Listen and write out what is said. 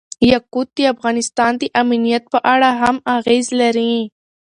یاقوت د افغانستان د امنیت په اړه هم اغېز لري.